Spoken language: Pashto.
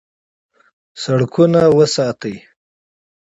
سړکونه وساتئ